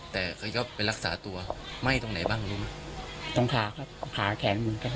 แต่เขาจะไปรักษาตัวไหม้ตรงไหนบ้างรู้ไหมตรงขาครับขาแขนเหมือนกัน